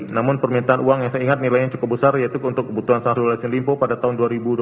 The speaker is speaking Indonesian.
namun permintaan uang yang saya ingat nilainya cukup besar yaitu untuk kebutuhan syahrul yassin limpo pada tahun dua ribu dua puluh